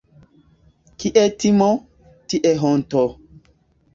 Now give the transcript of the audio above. Kie timo, tie honto.